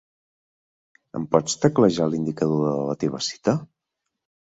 Em pots teclejar l'indicador de la teva cita?